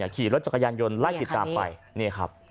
ขี่รถจักรยานยนต์ไล่ติดตามไป